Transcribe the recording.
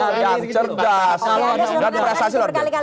kalau riza yang berprestasi berkali kali